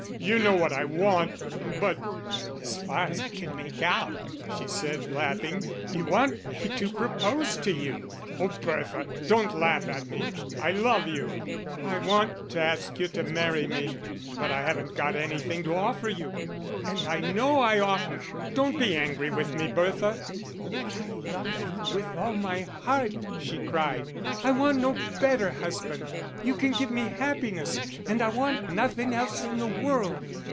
You know what I want, but " "As far as I can make out," she said, laughing, "you want me to propose to you." "Oh, Bertha, don't laugh at me. I love you; I want to ask you to marry me. But I haven't got anything to offer you, and I know I oughtn't don't be angry with me, Bertha." "But I love you with all my heart," she cried. "I want no better husband; you can give me happiness, and I want nothing else in the world."